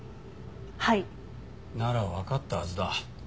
はい。ならわかったはずだ。